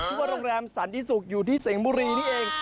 ว่าโรงแรมสันติศุกร์อยู่ที่เสียงบุรีนี่เอง